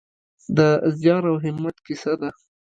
د زیار او همت کیسه ده.